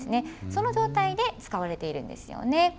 その状態で使われているんですよね。